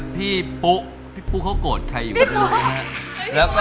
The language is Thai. พี่ปุ๊พี่ปุ๊เค้าโกรธใครอยู่ครับ